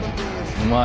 うまい！